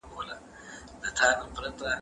هغوی له کلونو راهيسي سياسي اړيکي څېړلې وې.